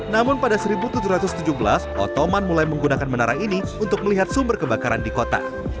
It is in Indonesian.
namun pada seribu tujuh ratus tujuh belas ottoman mulai menggunakan menara ini untuk melihat sumber kebakaran di kota